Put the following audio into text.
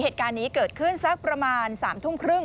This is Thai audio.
เหตุการณ์นี้เกิดขึ้นสักประมาณ๓ทุ่มครึ่ง